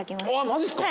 マジっすか？